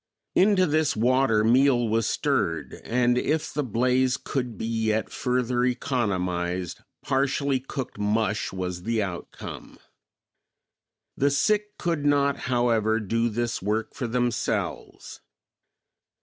Into this water meal was stirred and, if the blaze could be yet further economized, partially cooked mush was the outcome. The sick could not, however, do this work for themselves.